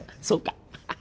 そうか。